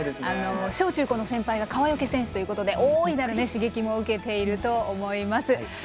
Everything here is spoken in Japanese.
小中高の先輩が川除選手ということで大いなる刺激も受けていると思います。